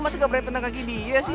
masih gak berani tendang kaki dia sih